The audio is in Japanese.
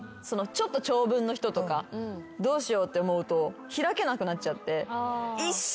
ちょっと長文の人とかどうしようって思うと開けなくなっちゃって。